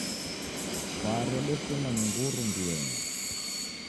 Kwaru odesimwa ni nguru mbionyi.